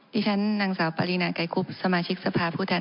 ดิฉันนางสาวปรินาไกรคุบสมาชิกสภาพผู้แทน